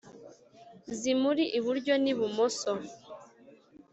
zimuri iburyo ni bumoso.